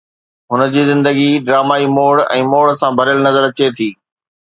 هن جي زندگي ڊرامائي موڙ ۽ موڙ سان ڀريل نظر اچي ٿي.